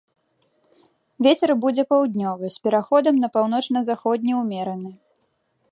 Вецер будзе паўднёвы з пераходам на паўночна-заходні ўмераны.